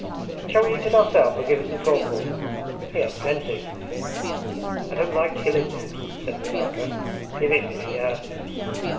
'And shall we eat it ourselves or give it to the corporal?' 'He has plenty!' 'I don't like killing them,' said Nazarka. 'Give it here!'